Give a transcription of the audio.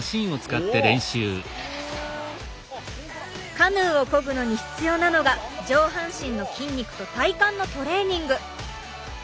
カヌーをこぐのに必要なのが上半身の筋肉と体幹のトレーニング。